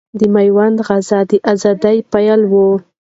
د ميوند غزا د اذادۍ پيل ؤ